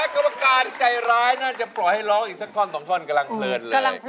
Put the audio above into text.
แขอรมการใจร้ายจะปล่อยให้ล้องก่อนกำลังเผลิด